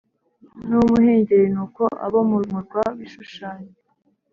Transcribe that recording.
n uw umuhengeri nuko abo mu murwa w i Shushani